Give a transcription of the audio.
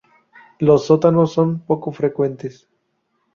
Los sótanos son poco frecuentes.